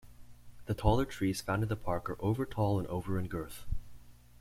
The taller trees found in the park are over tall and over in girth.